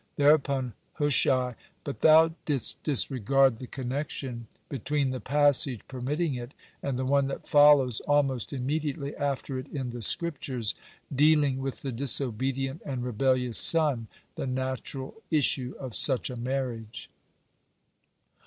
Thereupon Hushai: "But thou didst disregard the connection between the passage permitting it and the one that follows almost immediately after it in the Scriptures, dealing with the disobedient and rebellious son, the natural issue of such a marriage."